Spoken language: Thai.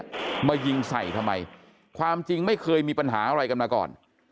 มายิงใส่ทำไมความจริงไม่เคยมีปัญหาอะไรกันมาก่อน